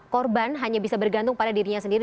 korban hanya bisa bergantung pada dirinya sendiri